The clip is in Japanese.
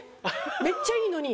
めっちゃいいのに！